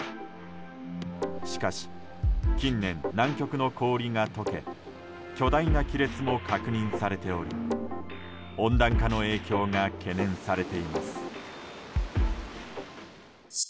しかし近年、南極の氷が解け巨大な亀裂も確認されており温暖化の影響が懸念されています。